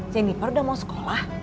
jeniper udah mau sekolah